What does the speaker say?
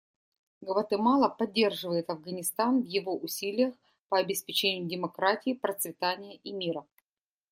Гватемала поддерживает Афганистан в его усилиях по обеспечению демократии, процветания и мира.